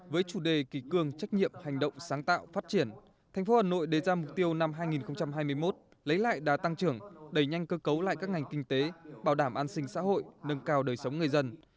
với chủ đề kỳ cương trách nhiệm hành động sáng tạo phát triển thành phố hà nội đề ra mục tiêu năm hai nghìn hai mươi một lấy lại đá tăng trưởng đẩy nhanh cơ cấu lại các ngành kinh tế bảo đảm an sinh xã hội nâng cao đời sống người dân